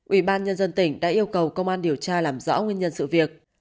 ủy ban nhân dân tỉnh đã yêu cầu công an điều tra làm rõ nguyên nhân sự việc